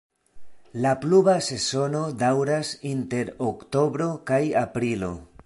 La pluva sezono daŭras inter oktobro kaj aprilo.